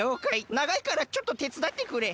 ながいからちょっとてつだってくれ。